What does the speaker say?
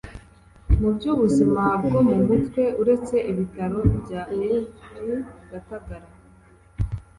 mu by ubuzima bwo mu mutwe uretse ibitaro bya hvp gatagara